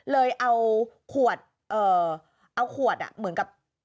เลยเอาขวดเหมือนกับ